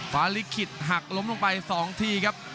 ฟาลิคิตหักล้มลงไปสองทีครับ